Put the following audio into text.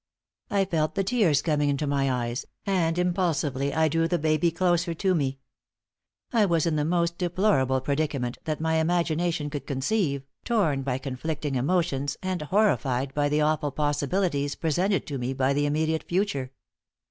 I felt the tears coming into my eyes, and impulsively I drew the baby closer to me. I was in the most deplorable predicament that my imagination could conceive, torn by conflicting emotions and horrified by the awful possibilities presented to me by the immediate future.